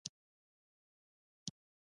ځوانانو ته پکار ده چې، جنګ مخنیوی وکړي